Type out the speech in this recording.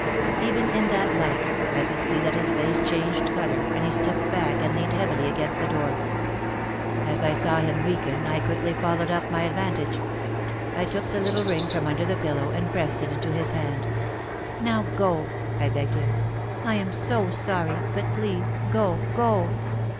Even in that light I could see that his face changed colour and he stepped back and leaned heavily against the door. As I saw him weaken I quickly followed up my advantage. I took the little ring from under the pillow and pressed it into his hand. "Now go," I begged him. "I am so sorry, but please go, go!"